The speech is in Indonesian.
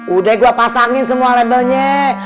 udah gue pasangin semua labelnya